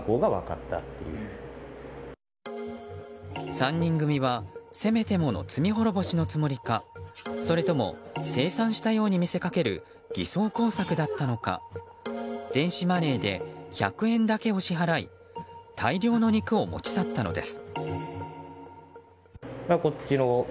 ３人組はせめてもの罪滅ぼしのつもりかそれとも精算したように見せかける偽装工作だったのか電子マネーで１００円だけを支払い大量の肉を持ち去ったのです。